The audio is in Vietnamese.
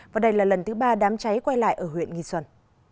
và đây là lần thứ ba đám cháy quay lại ở huyện nghi xuân